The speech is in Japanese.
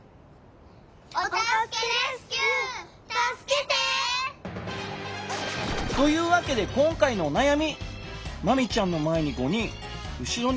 お助けレスキュー助けて！というわけでこんかいのおなやみ！